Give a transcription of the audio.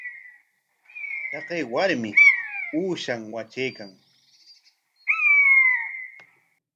Taqay warmi uushan watraykan.